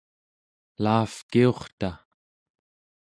laavkiurta